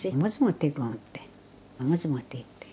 餅持っていって。